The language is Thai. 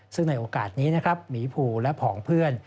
ซึ่งในโอกาสนี้นะครับหมีภูและผองเพื่อน